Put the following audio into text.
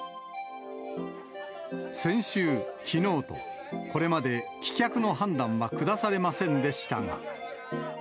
先週、きのうと、これまで棄却の判断は下されませんでしたが。